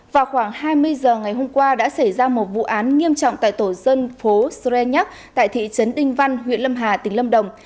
vào khoảng hai mươi giờ ngày hôm qua đã xảy ra một vụ án nghiêm trọng tại tổ dân phố sren nhắc tại thị trấn đinh văn huyện lâm hà tỉnh lâm đồng